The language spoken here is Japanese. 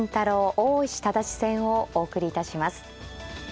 大石直嗣戦をお送りいたします。